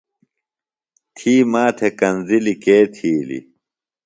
تھی ماتھےۡ کنزِلیۡ کے تھیلیۡ؟